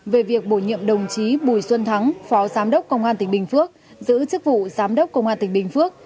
về việc bổ nhiệm đồng chí bùi xuân thắng phó giám đốc công an tỉnh bình phước